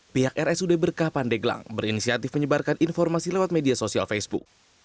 pihak rsud berkah pandeglang berinisiatif menyebarkan informasi lewat media sosial facebook